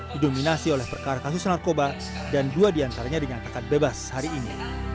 didominasi oleh perkara kasus narkoba dan dua diantaranya dinyatakan bebas hari ini